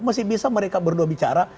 masih bisa mereka berdua bicara